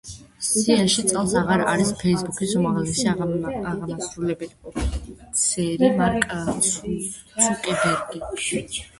სიაში წელს აღარ არის „ფეისბუქის“ უმაღლესი აღმასრულებელი ოფიცერი მარკ ცუკერბერგი.